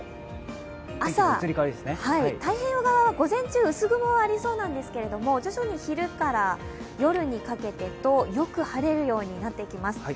太平洋側は午前中、薄雲がありそうなんですけど、徐々に昼から夜にかけてとよく晴れるようになってきます。